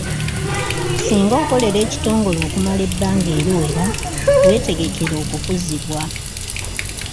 Singa okolera ekitongole okumala ebbanga eriwera wetegekere okukuzibwa.